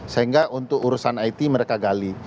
sehingga untuk urusan it mereka gali